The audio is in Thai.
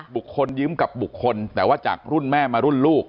ยิ้มกับบุคคลแต่ว่าจากรุ่นแม่มารุ่นลูก